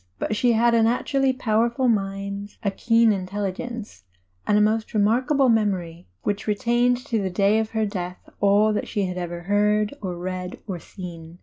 But she had a natu rally powerful mind, a keen intelligence, and a most re markable memory which retained to the day of her death all that she had ever heard or read or seen.